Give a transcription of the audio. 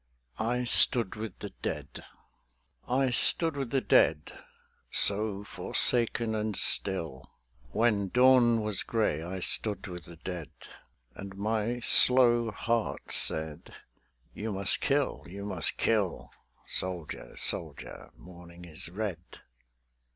I STOOD WITH THE DEAD I stood with the Dead, so forsaken and still: When dawn was grey I stood with the Dead. And my slow heart said, "You must kill; you must kill: Soldier, soldier, morning is red."